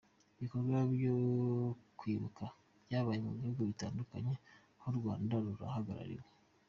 Ibikorwa byo kwibuka byabaye mu bihugu bitandukanye aho u Rwanda ruhagarariwe.